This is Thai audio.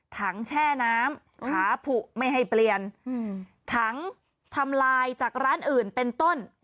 แช่น้ำขาผุไม่ให้เปลี่ยนถังทำลายจากร้านอื่นเป็นต้น